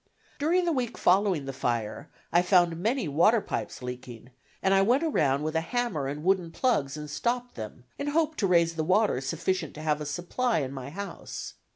During the week following the fire, I found many water pipes leaking, and I went around with a hammer and wooden plugs and stopped them, in hope to raise the water sufficient to have a supply in my house.